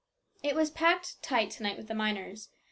It was packed to night with the miners.